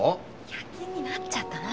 夜勤になっちゃったの。